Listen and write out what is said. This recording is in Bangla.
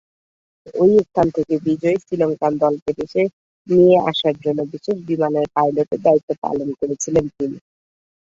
ঐ স্থান থেকে বিজয়ী শ্রীলঙ্কান দলকে দেশে নিয়ে আসার জন্য বিশেষ বিমানের পাইলটের দায়িত্ব পালন করেছিলেন তিনি।